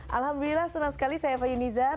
alhamdulillah senang sekali saya fahim nizar